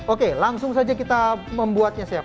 oke langsung saja kita membuatnya siap